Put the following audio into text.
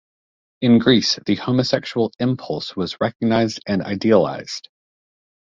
In Greece the homosexual impulse was recognized and idealized.